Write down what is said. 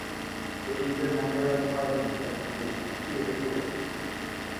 The eager Member of Parliament repeated hear, hear.